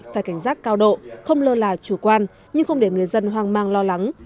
phải cảnh giác cao độ không lơ là chủ quan nhưng không để người dân hoang mang lo lắng